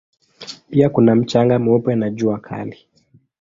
Pia kuna mchanga mweupe na jua kali.